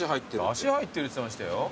だし入ってるっつってましたよ。